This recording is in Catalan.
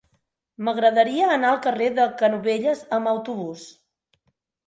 M'agradaria anar al carrer de Canovelles amb autobús.